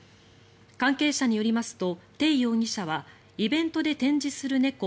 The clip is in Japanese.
関係者によりますと鄭容疑者はイベントで展示する猫